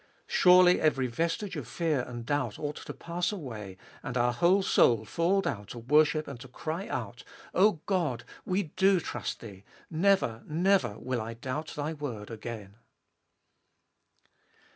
Surely every vestige of fear and doubt ought to pass away, and our whole soul fall down to worship and to cry out : O God ! we do trust Thee. Never, never, will I doubt Thy word again.